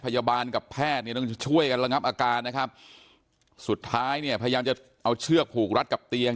กับแพทย์เนี่ยต้องช่วยกันระงับอาการนะครับสุดท้ายเนี่ยพยายามจะเอาเชือกผูกรัดกับเตียง